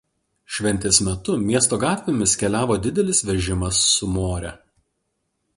Šventės metu miesto gatvėmis keliavo didelis vežimas su More.